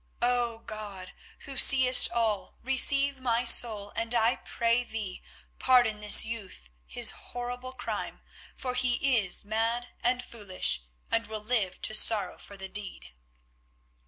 Oh! God, who seest all, receive my soul, and I pray Thee pardon this youth his horrible crime, for he is mad and foolish, and will live to sorrow for the deed."